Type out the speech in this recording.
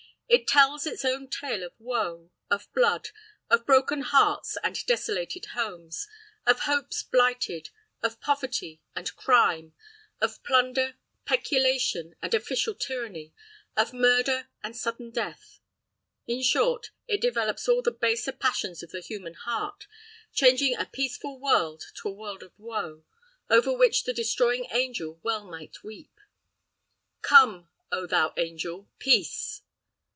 It tells its own tale of woe, of blood, of broken hearts and desolated homes, of hopes blighted, of poverty and crime, of plunder, peculation and official tyranny, of murder and sudden death. In short, it develops all the baser passions of the human heart, changing a peaceful world to a world of woe, over which the destroying angel well might weep. Come, oh, thou angel, PEACE!